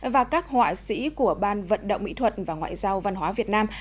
và các họa sĩ của ban vận động mỹ thuật và ngoại giao văn hóa việt nam